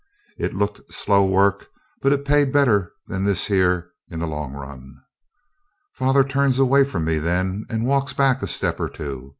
It looked slow work, but it paid better than this here in the long run.' Father turns away from me then, and walks back a step or two.